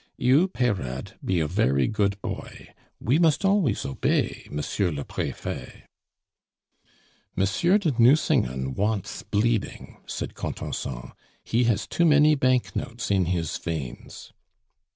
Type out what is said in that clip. You, Peyrade, be a very good boy. We must always obey Monsieur le Prefet!" "Monsieur de Nucingen wants bleeding," said Contenson; "he has too many banknotes in his veins."